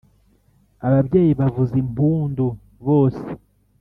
ababyeyi bavuza impuundu bose